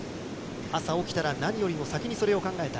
朝起きたら何よりも先にそれを考えた。